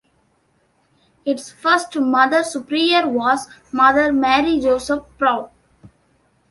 Its first Mother Superior was Mother Mary Joseph Prout.